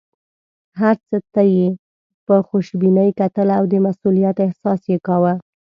هر څه ته یې په خوشبینۍ کتل او د مسوولیت احساس یې کاوه.